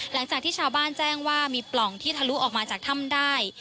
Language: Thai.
หลังจากที่ชาวบ้านแจ้งว่ามีปล่องที่ทะลุออกมาจากถ้ำได้